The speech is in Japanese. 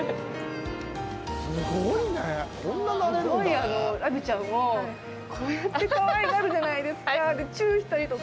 すごい、ラビーちゃんをこうやってかわいがるじゃないですか。